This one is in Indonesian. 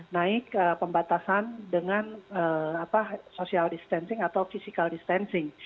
naik pembatasan dengan social distancing atau physical distancing